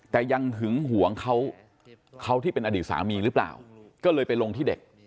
แต่ยังหึงหวงเขาเขาที่เป็นอดีตสามีหรือเปล่าก็เลยไปลงที่เด็ก